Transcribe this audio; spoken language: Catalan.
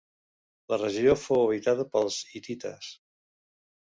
La regió fou habitada pels hitites.